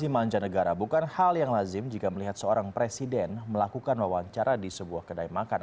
di mancanegara bukan hal yang lazim jika melihat seorang presiden melakukan wawancara di sebuah kedai makan